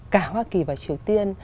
cả hoa kỳ và triều tiên